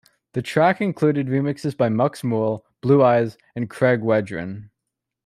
The track included remixes by Mux Mool, Blue Eyes and Craig Wedren.